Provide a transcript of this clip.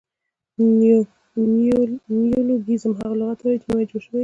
نیولوګیزم هغه لغت ته وایي، چي نوي جوړ سوي يي.